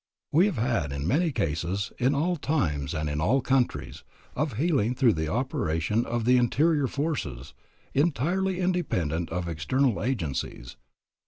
We have had many cases, in all times and in all countries, of healing through the operation of the interior forces, entirely independent of external agencies.